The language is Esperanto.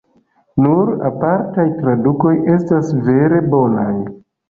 Nur apartaj tradukoj estas vere bonaj.